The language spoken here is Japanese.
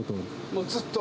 もうずっと。